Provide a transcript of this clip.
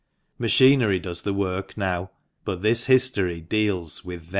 Machinery does the work now — but this history deals with then